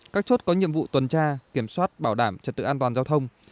các chốt có nhiệm vụ tuần tra kiểm soát bảo đảm trật tự an toàn giao thông